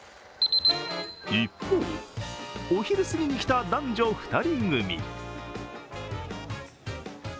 一方、お昼過ぎに来た男女２人組。